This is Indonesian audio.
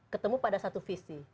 ketemu pada satu visi